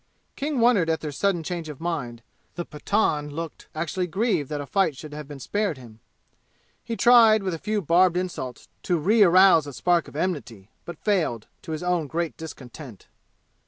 King wondered at their sudden change of mind, the Pathan looked actually grieved that a fight should have been spared him. He tried, with a few barbed insults, to rearouse a spark of enmity, but failed, to his own great discontent.